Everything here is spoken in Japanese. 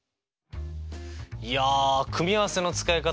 いや組合せの使い方